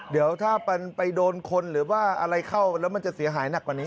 เดี๋ยวถ้ามันไปโดนคนหรือว่าอะไรเข้าแล้วมันจะเสียหายหนักกว่านี้